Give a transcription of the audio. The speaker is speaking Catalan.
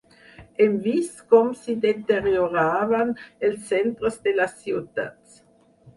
Hem vist com s’hi deterioraven els centres de les ciutats.